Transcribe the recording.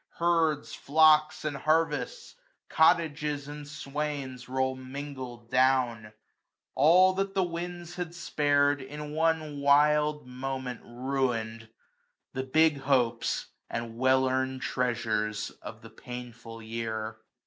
Herds, flocks, and harvests, cottages, and swains, 340 Roll mingled down ; all that the winds had spar'd In one wild moment ruin*d ; the big hopes. And well earn'd treasures of the painfiil year.